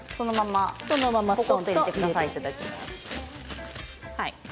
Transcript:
そのまま入れてください。